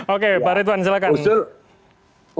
oke pak retuan silahkan